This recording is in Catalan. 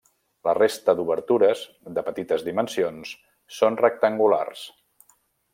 La resta d'obertures, de petites dimensions, són rectangulars.